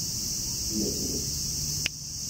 il est aimé.